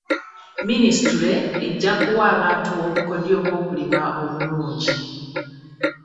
Minisitule ejja kuwa abantu obukodyo bw'okulima obulungi.